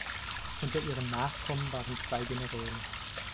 Unter ihren Nachkommen waren zwei Generäle.